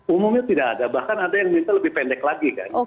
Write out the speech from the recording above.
umumnya tidak ada bahkan ada yang minta lebih pendek lagi kan